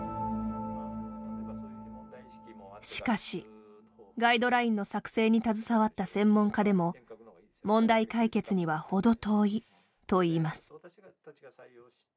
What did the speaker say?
しかし、ガイドラインの作成に携わった専門家でも問題解決にはほど遠いといいます。